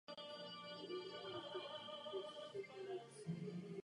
Všechny jeho kompozice však byly během druhé světové války zničeny.